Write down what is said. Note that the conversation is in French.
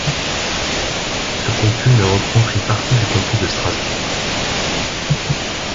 Ce comput ne reprend qu'une partie du comput de Strasbourg.